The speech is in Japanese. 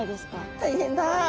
大変だ。